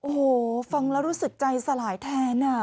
โอ้โหฟังแล้วรู้สึกใจสลายแทน